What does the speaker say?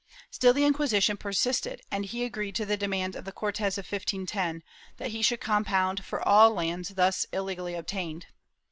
Still the Inquisition persisted and he agreed to the demands of the Cortes of 1510, that he should compound for all lands thus illegally obtained.